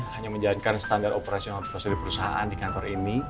hanya menjalankan standar operasional prosedur perusahaan di kantor ini